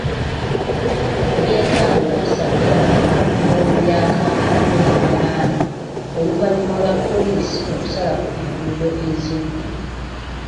Ebyentambula bisannyaladde mu bitundu bya Kampala n'emiriraano oluvannyuma lwa poliisi okusalako enguudo ezimu